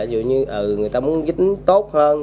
dù như người ta muốn dính tốt hơn